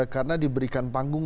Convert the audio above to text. karena diberikan panggung